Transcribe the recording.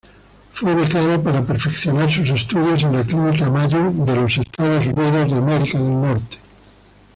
Fue becado para perfeccionar sus estudios en la Clínica Mayo de Estados Unidos.